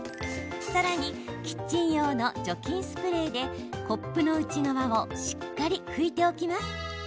さらにキッチン用の除菌スプレーでコップの内側をしっかり拭いておきます。